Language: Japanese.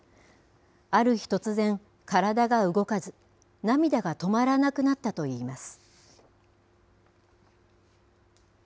ある日突然、体が動かず涙が止まらなくなったといいます。